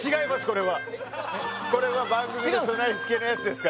これはこれは番組の備え付けのやつ違うんすか？